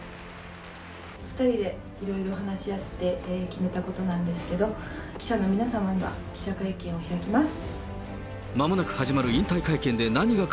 ２人でいろいろ話し合って決めたことなんですけど、記者の皆様には記者会見を開きます。